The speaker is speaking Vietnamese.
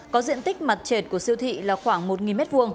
có diện tích mặt trệt của siêu thị là khoảng một m hai